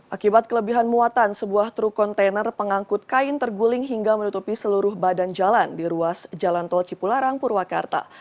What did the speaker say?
akibat kelebihan muatan sebuah truk kontainer pengangkut kain terguling hingga menutupi seluruh badan jalan di ruas jalan tol cipularang purwakarta